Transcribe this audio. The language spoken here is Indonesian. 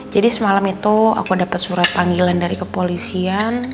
jadi semalam itu aku dapet surat panggilan dari kepolisian